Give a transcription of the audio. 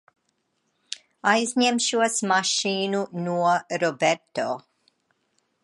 Aizņemšos mašīnu no Roberto.